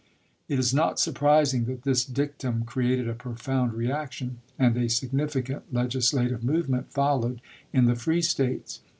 It is not surprising that this dictum created a profound reaction ; and a signifi cant legislative movement followed in the free States.